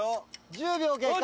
１０秒経過。